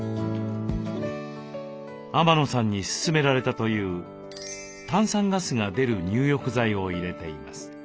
天野さんに勧められたという炭酸ガスが出る入浴剤を入れています。